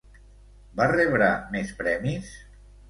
Va rebre més premis?